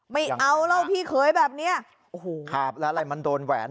ไม่เอาแล้วพี่เคยแบบเนี้ยโอ้โหขาบแล้วอะไรมันโดนแหวน